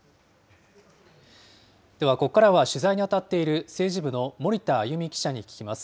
ではここからは取材に当たっている政治部の森田あゆ美記者に聞きます。